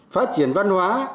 phát triển văn hóa